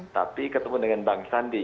tapi ketemu dengan bang sandi